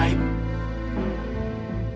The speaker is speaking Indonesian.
aku menunggumu di sini